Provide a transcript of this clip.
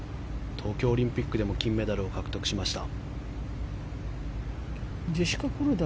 東京オリンピックでも金メダルを獲得しました。